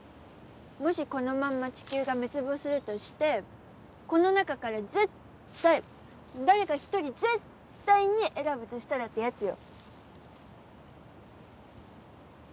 もしこのまんま地球が滅亡するとしてこの中から絶対誰か１人絶対に選ぶとしたらってやつよ